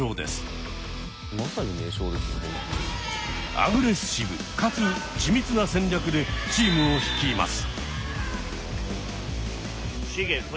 アグレッシブかつ緻密な戦略でチームを率います。